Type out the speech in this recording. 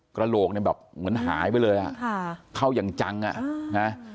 กระโลกเนี่ยแบบเหมือนหายไปเลยอ่ะเข้ายังจังอ่ะ